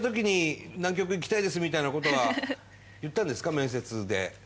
面接で。